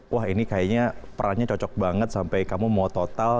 wah ini kayaknya perannya cocok banget sampai kamu mau total